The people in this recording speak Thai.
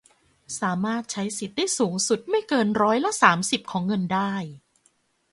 สามารถใช้สิทธิ์ได้สูงสุดไม่เกินร้อยละ สามสิบ ของเงินได้